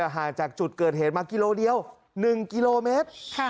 ห่างจากจุดเกิดเหตุมากิโลเดียว๑กิโลเมตร